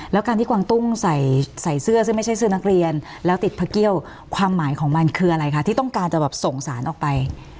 แล้วการที่กวางตุ้งใส่เสื้อซึ่งไม่ใช่เสื้อนักเรียนแล้วติดพระเกี้ยวความหมายของมันคืออะไรคะที่ต้องการจะแบบส่งสารออกไป